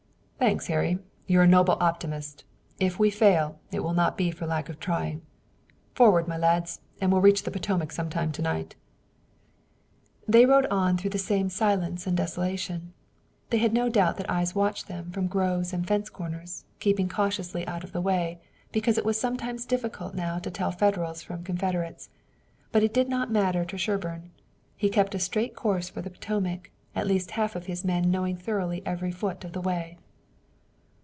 "Thanks, Harry. You're a noble optimist. If we fail, it will not be for lack of trying. Forward, my lads, and we'll reach the Potomac some time to night." They rode on through the same silence and desolation. They had no doubt that eyes watched them from groves and fence corners, keeping cautiously out of the way, because it was sometimes difficult now to tell Federals from Confederates. But it did not matter to Sherburne. He kept a straight course for the Potomac, at least half of his men knowing thoroughly every foot of the way.